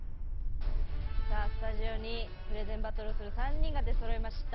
さあスタジオにプレゼンバトルをする３人が出そろいました。